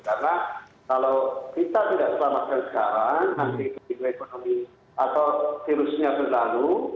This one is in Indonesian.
karena kalau kita tidak selamatkan sekarang nanti kebidikan ekonomi atau virusnya berlalu